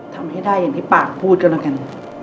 ทำให้ได้อย่างที่ปากพูดก็แล้วกัน